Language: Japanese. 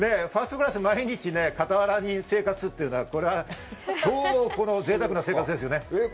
ファーストクラス、毎日傍らに生活というのは、超ぜいたくな生活ですよね。